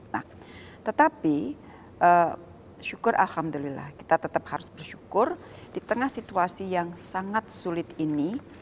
nah tetapi syukur alhamdulillah kita tetap harus bersyukur di tengah situasi yang sangat sulit ini